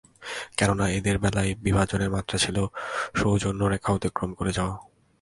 কেননা, এঁদের বেলায় বিভাজনের মাত্রা ছিল সৌজন্য রেখা অতিক্রম করে যাওয়া।